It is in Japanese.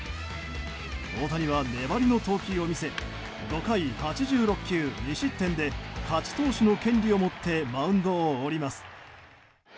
大谷は粘りの投球を見せ５回８６球２失点で勝ち投手の権利を持ってマウンドを降ります。